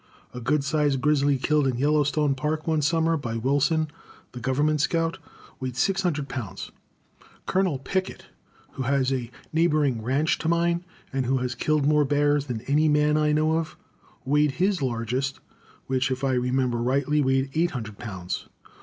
A good sized grizzly killed in Yellowstone Park one summer by Wilson, the Government scout, weighed six hundred pounds. Colonel Pickett, who has a neighboring ranch to mine, and who has killed more bears than any man I know of, weighed his largest, which, if I remember rightly, weighed eight hundred pounds.